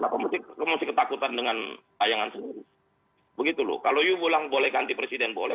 kenapa masih ketakutan dengan tayangan sendiri begitu loh kalau kamu bilang boleh ganti presiden boleh